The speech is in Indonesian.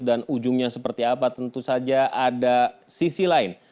dan ujungnya seperti apa tentu saja ada sisi lain